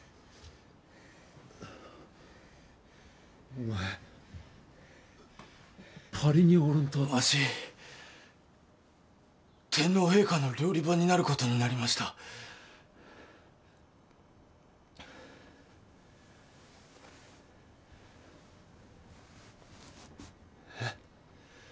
お前パリにおるんとわし天皇陛下の料理番になることになりましたえッ？